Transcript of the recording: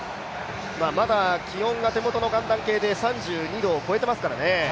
まだ気温が手元の寒暖計で３２度を超えていますからね。